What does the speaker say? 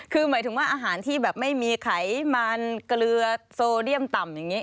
คือหมายถึงว่าอาหารที่แบบไม่มีไขมันเกลือโซเดียมต่ำอย่างนี้